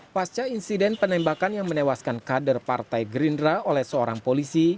pasca insiden penembakan yang menewaskan kader partai gerindra oleh seorang polisi